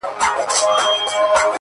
مړ به سم مړى به مي ورك سي گراني ؛